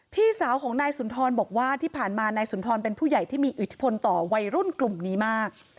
พี่สาวของนายสุนทรบอกว่าที่ผ่านมานายสุนทรเป็นผู้ใหญ่ที่มีอิทธิพลต่อวัยรุ่นกลุ่มนี้มาก